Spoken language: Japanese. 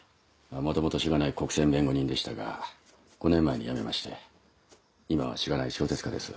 元々しがない国選弁護人でしたが５年前に辞めまして今はしがない小説家です。